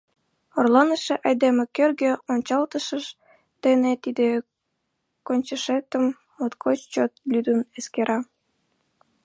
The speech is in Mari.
Орланыше айдеме кӧргӧ ончалтышыж дене тиде кончышетым моткоч чот лӱдын эскера.